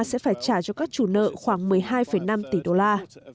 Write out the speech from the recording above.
sẽ phải trả cho các chủ nợ khoảng một mươi hai năm tỷ đô la